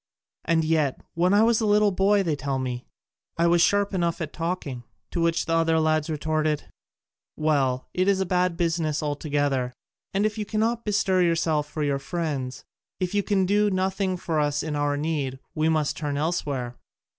And yet, when I was a little boy, they tell me, I was sharp enough at talking." To which the other lads retorted, "Well, it is a bad business altogether: and if you cannot bestir yourself for your friends, if you can do nothing for us in our need, we must turn elsewhere."